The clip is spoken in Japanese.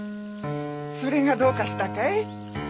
それがどうかしたかい？